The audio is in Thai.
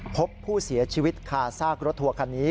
พบผู้เสียชีวิตคาซากรถทัวร์คันนี้